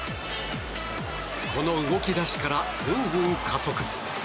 この動き出しからぐんぐん加速！